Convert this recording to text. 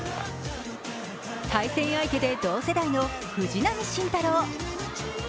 対戦相手で同世代の藤浪晋太郎。